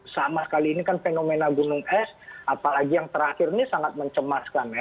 sama sekali ini kan fenomena gunung es apalagi yang terakhir ini sangat mencemaskan ya